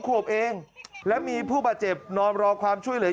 ขวบเองและมีผู้บาดเจ็บนอนรอความช่วยเหลือ